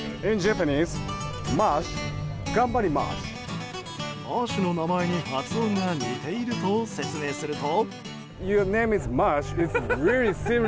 マーシュの名前に発音が似ていると説明すると。